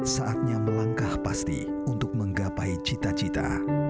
saatnya melangkah pasti untuk menggapai cita cita